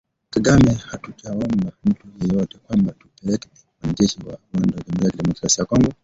Kagame: Hatujaomba mtu yeyote kwamba tupeleke wanajeshi wa Rwanda Jamhuri ya kidemokrasia ya Kongo.